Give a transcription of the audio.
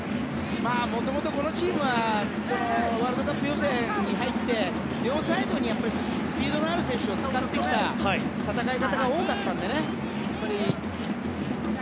もともと、このチームはワールドカップ予選に入って両サイドにスピードのある選手を使ってきた戦い方が多かったのでね。